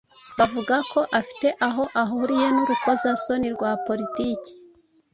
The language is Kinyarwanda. Bavuga ko afite aho ahuriye n’urukozasoni rwa politiki.